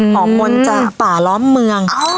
หอมมนต์จากป่าล้อมเมือง